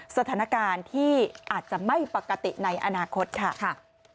สถานการณ์ที่อาจจะไม่ปกติในอนาคตค่ะ